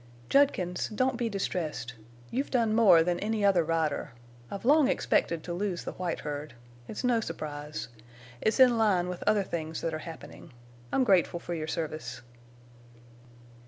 "Judkins, don't be distressed. You've done more than any other rider. I've long expected to lose the white herd. It's no surprise. It's in line with other things that are happening. I'm grateful for your service."